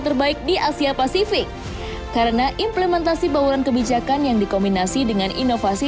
terbaik di asia pasifik karena implementasi bauran kebijakan yang dikombinasi dengan inovasi